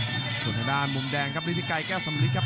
ส่วนทางด้านมุมแดงครับฤทธิไกรแก้วสำลิดครับ